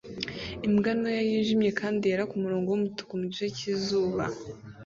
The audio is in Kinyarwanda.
Imbwa ntoya yijimye kandi yera kumurongo wumutuku mugice cyizuba